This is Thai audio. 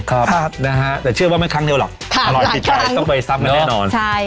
ครับนะฮะแต่เชื่อว่าไม่ครั้งเดียวหรอกอร่อยติดใจต้องไปซับกันแน่นอนใช่